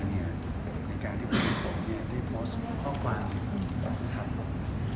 ในการที่ผมได้โพสต์ข้อความของคุณธันต์